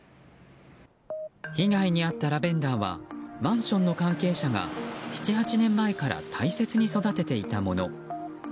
被害に遭ったラベンダーはマンションの関係者が７８年前から大切に育てていたもの。